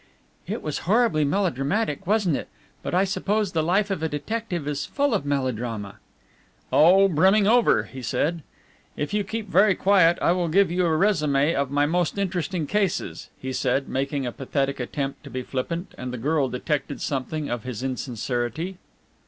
"It was horribly melodramatic, wasn't it? but I suppose the life of a detective is full of melodrama." "Oh, brimming over," he said. "If you keep very quiet I will give you a résumé of my most interesting cases," he said, making a pathetic attempt to be flippant, and the girl detected something of his insincerity.